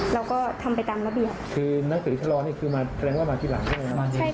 เราก็ทำไปตามระเบียบคือหนังสือชะลอนี่คือมาแสดงว่ามาทีหลังใช่ไหม